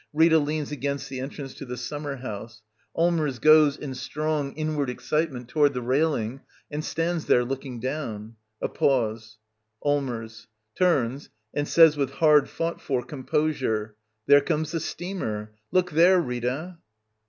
Rita leans against the en trance to the summer house. Allmers goes, in strong, inward excitement, toward the railing, and stands there looking down. A pause.] Allmers. [Turns, and says with hard fought for composure] There comes the steamer. Look there, Rita.